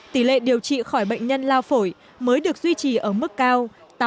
tỷ lệ điều trị khỏi bệnh nhân lao phổi mới được duy trì ở mức cao tám mươi bảy hai